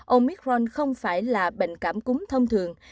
omicron không phải là bệnh cảm cúng thông thường